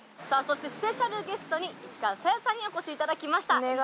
さあそしてスペシャルゲストに市川紗椰さんにお越しいただきました。